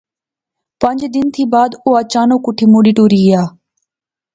پانج دن تھی بعد او اچانک اٹھی مڑی ٹری گیا